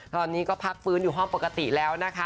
ตอนนี้ก็พักฟื้นอยู่ห้องปกติแล้วนะคะ